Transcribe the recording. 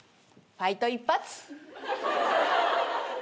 ファイト一発。